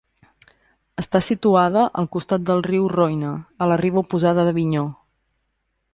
Està situada al costat del riu Roine, a la riba oposada d'Avinyó.